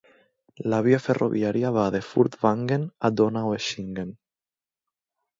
La via ferroviària va de Furtwangen a Donaueschingen.